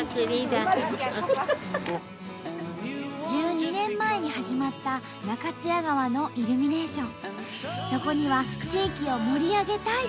１２年前に始まった中津谷川のイルミネーション。